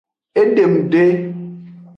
Edem de.